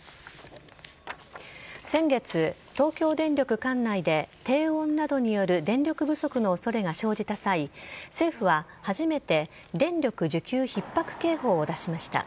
先月、東京電力管内で低温などによる電力不足の恐れが生じた際政府は初めて電力需給ひっ迫警報を出しました。